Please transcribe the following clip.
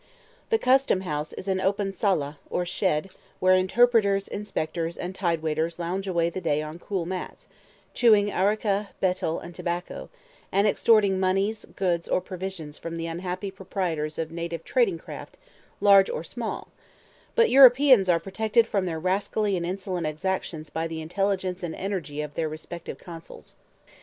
The Custom House is an open sala, or shed, where interpreters, inspectors, and tidewaiters lounge away the day on cool mats, chewing areca, betel, and tobacco, and extorting moneys, goods, or provisions from the unhappy proprietors of native trading craft, large or small; but Europeans are protected from their rascally and insolent exactions by the intelligence and energy of their respective consuls.